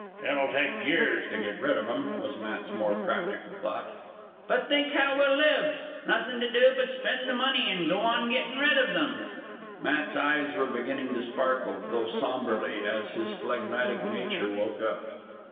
"It'll take years to get rid of 'em," was Matt's more practical thought. "But think how we'll live! Nothin' to do but spend the money an' go on gettin' rid of em." Matt's eyes were beginning to sparkle, though sombrely, as his phlegmatic nature woke up.